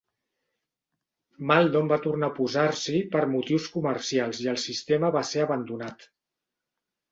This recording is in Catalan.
Maldon va tornar a oposar-s'hi per motius comercials i el sistema va ser abandonat.